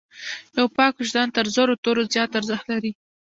یو پاک وجدان تر زرو تورو زیات ارزښت لري.